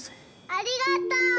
ありがとう！